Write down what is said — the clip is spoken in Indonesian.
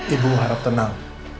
ibu harap tenang